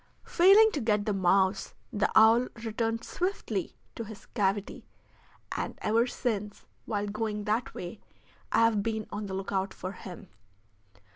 Failing to get the mouse, the owl returned swiftly to his cavity, and ever since, while going that way, I have been on the lookout for him.